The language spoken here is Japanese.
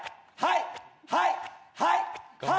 はい！